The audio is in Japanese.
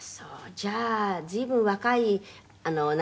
「じゃあ随分若い何？